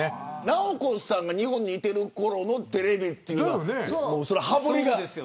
直子さんが日本にいてるころのテレビっていうのは。